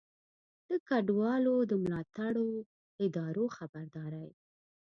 د کډوالو د ملاتړو ادارو خبرداری